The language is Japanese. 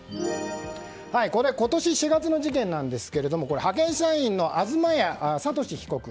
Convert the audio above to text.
これ、今年４月の事件なんですが派遣社員の東谷賢被告。